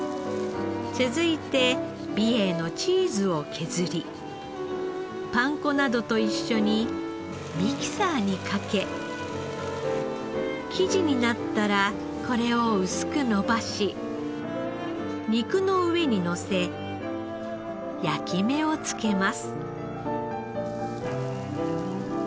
続いて美瑛のチーズを削りパン粉などと一緒にミキサーにかけ生地になったらこれを薄く延ばし肉の上にのせ焼き目を付けます。